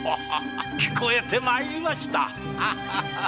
聞こえてまいりました！